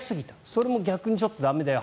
それも逆にちょっと駄目だよ